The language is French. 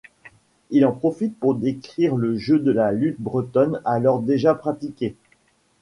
Il en profite pour décrire le jeu de la lutte bretonne alors déjà pratiquée.